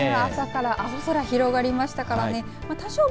朝から青空広がりましたからね。